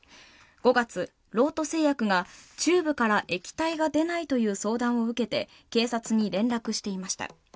５月、ロート製薬がチューブから液体が出ないという相談を受けて警察に連絡していました。